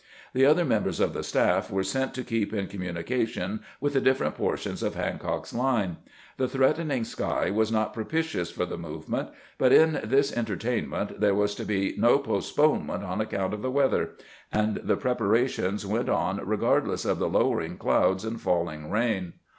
The other members of the staff were sent to keep in communication with the different portions of Han cock's line. The threatening sky was not propitious for the movement, but in this entertainment there was to be " no postponement on account of the weather," and the preparations went on regardless of the lowering clouds and falling rain.